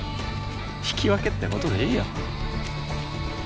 引き分けってことでいいよ。